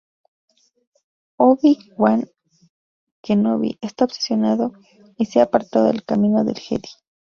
Obi-Wan Kenobi está obsesionado y se ha apartado del camino del Jedi.